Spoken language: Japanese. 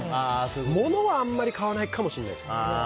物はあんまり買わないかもしれないです。